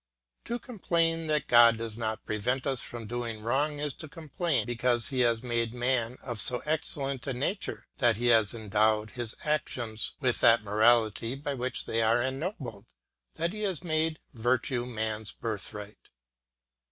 To complain that God does not prevent us from doing wrong is to complain because he has made man of so excellent a nature, that he has endowed his actions with that morality by which they are ennobled, that he has made virtue man's birthright.